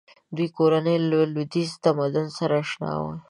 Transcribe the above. دوی کورنۍ له لویدیځ تمدن سره اشنا وه.